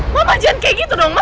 mama jangan kayak gitu dong ma